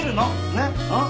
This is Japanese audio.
ねっうん？